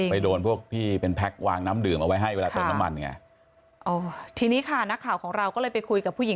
ไม่โดนพวกพี่เป็นแพ็คว้างน้ำดื่มไปให้เวลาเติมน้ำมัน